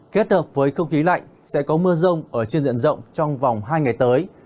kết hợp với không khí lạnh sẽ có mưa rông ở trên diện rộng trong vòng hai ngày tới